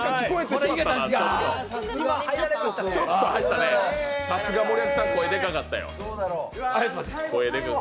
ちょっと入ったね、さすが森脇さん声でかかったよ。